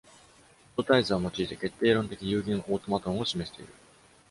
状態図を用いて決定論的有限オートマトンを示している。